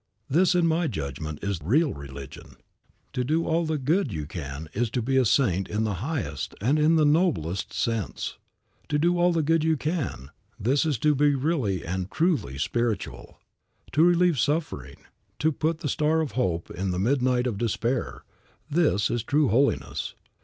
This, in my judgment, is real religion. To do all the good you can is to be a saint in the highest and in the noblest sense. To do all the good you can; this is to be really and truly spiritual. To relieve suffering, to put the star of hope in the midnight of despair, this is true holiness.